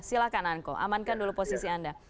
silahkan anco amankan dulu posisi anda